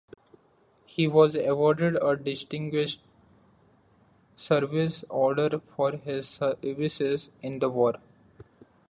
He was awarded a Distinguished Service Order for his services in the war.